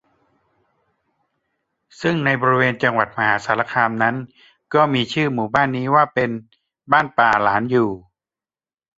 ซึ่งในบริเวณจังหวัดมหาสารคามนั้น ก็มีชื่อหมู่บ้านนี้ว่าเป็นบ้านป๋าหลานอยู่